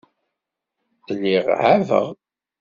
Lliɣ ɛabeɣ.